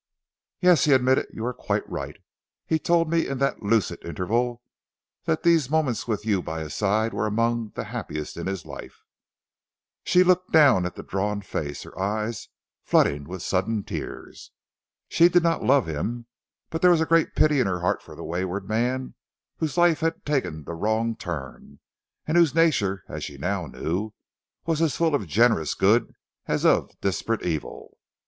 "Yes," he admitted, "you are quite right. He told me in that lucid interval that these moments with you by his side were among the happiest in his life." She looked down at the drawn face, her eyes flooding with sudden tears. She did not love him, but there was a great pity in her heart for the wayward man whose life had taken the wrong turn, and whose nature as she now knew was as full of generous good as of desperate evil.